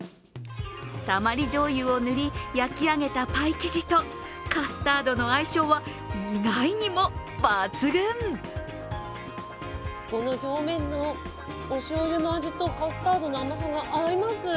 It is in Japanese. たまりじょうゆを塗り焼き上げたパイ生地とこの表面のおしょうゆの味とカスタードの甘さが合います。